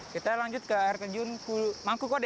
kita lanjut ke air terjun mangku kode